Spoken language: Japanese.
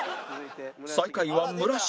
最下位は村重